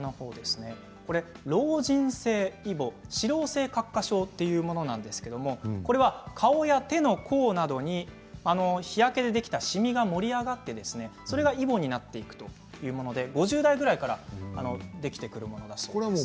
これは老人性イボ脂漏性角化症というものなんですけれども顔や手の甲などに日焼けでできたシミが盛り上がってそれがイボになっていくというもので、５０代くらいからできてくるものだそうです。